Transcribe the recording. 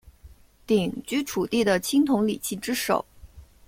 鼎居楚地的青铜礼器之首。